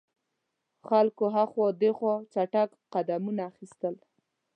خلکو هاخوا دیخوا چټګ قدمونه اخیستل.